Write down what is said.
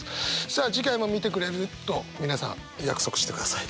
さあ次回も見てくれると皆さん約束してください。